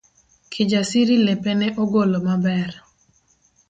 Kijasiri lepe ne ogolo maber